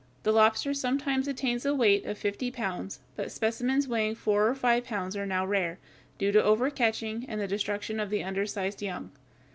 The lobster sometimes attains a weight of fifty pounds; but specimens weighing four or five pounds are now rare, due to overcatching, and the destruction of the undersized young.